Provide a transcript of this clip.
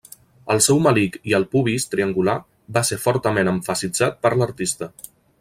El seu melic i el pubis triangular va ser fortament emfasitzat per l'artista.